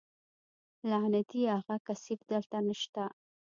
لعنتي اغه کثيف دلته نشته.